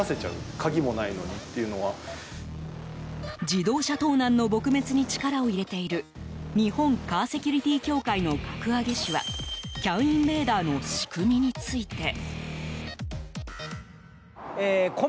自動車盗難の撲滅に力を入れている日本カーセキュリティ協会の攪上氏はＣＡＮインベーダーの仕組みについて。